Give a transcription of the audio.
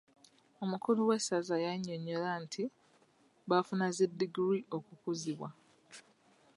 Omukulu w'esazza yannyonyola nti baafuna zi diguli okukuzibwa.